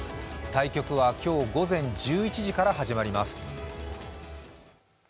対局は今日午前１時から始まります。